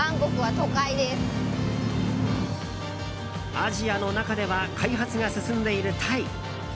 アジアの中では開発が進んでいるタイ。